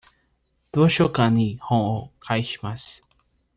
図書館に本を返します。